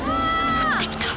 降ってきた。